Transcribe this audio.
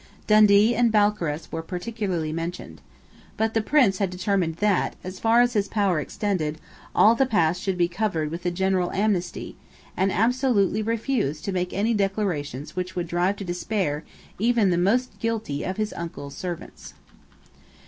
Dundee and Balcarras were particularly mentioned. But the Prince had determined that, as far as his power extended, all the past should be covered with a general amnesty, and absolutely refused to make any declaration which could drive to despair even the most guilty of his uncle's servants.